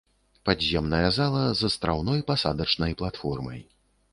Падземная зала з астраўной пасадачнай платформай.